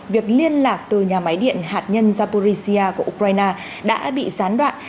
việc liên lạc từ nhà máy điện hạt nhân zaporisia của ukraine đã bị gián đoạn